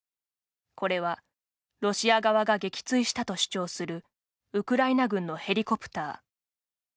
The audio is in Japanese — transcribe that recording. これは、ロシア側が撃墜したと主張するウクライナ軍のヘリコプター。